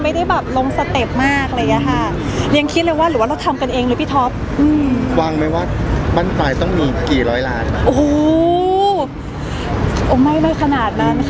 บ้านฝันต้องมีกี่ร้อยหลาน